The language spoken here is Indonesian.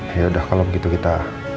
ya udah kalau begitu kita